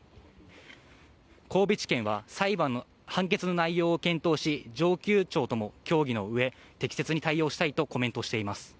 神戸地検は、判決の内容を検討し、上級庁とも協議のうえ、適切に対応したいとコメントしています。